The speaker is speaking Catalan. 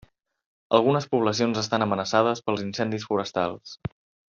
Algunes poblacions estan amenaçades pels incendis forestals.